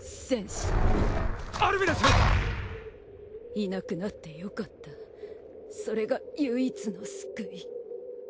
いなくなってよかったそれが唯一の救い。